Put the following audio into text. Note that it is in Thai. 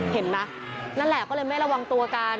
เห็นไหมนั่นแหละก็เลยไม่ระวังตัวกัน